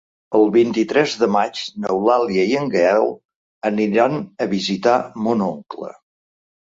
El vint-i-tres de maig n'Eulàlia i en Gaël aniran a visitar mon oncle.